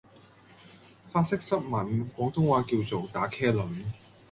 法式濕吻廣東話叫做「打茄輪」